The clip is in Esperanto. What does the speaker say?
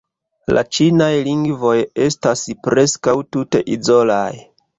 La ĉinaj lingvoj estas preskaŭ tute izolaj.